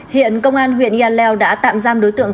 hiện công an huyện ea hiao đã tạm giam đối tượng